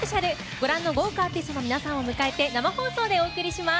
ご覧の豪華アーティストの皆さんを迎えて生放送でお送りします。